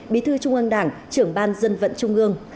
bí thư trung ương đảng trưởng ban dân vận trung ương